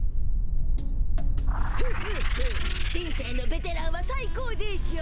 フフフ人生のベテランは最高でしょ。